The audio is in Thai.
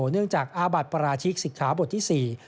เนื่องจากอาบัติปราชิกสิกขาบทที่๔